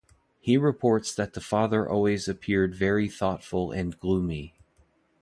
He reports that the father always appeared very thoughtful and gloomy.